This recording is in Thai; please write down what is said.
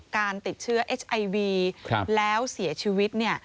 การติดเชื้อเอสไอวีแล้วเสียชีวิตเนี่ย